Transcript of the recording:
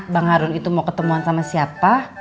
bang harun itu mau ketemuan sama siapa